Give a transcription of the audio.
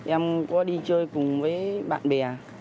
em có đi chơi cùng với bạn bè